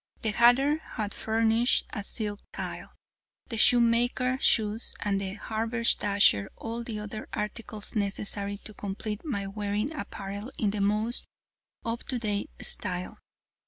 The hatter had furnished a silk tile, the shoemaker, shoes, and the haberdasher all the other articles necessary to complete my wearing apparel in the most up to date style.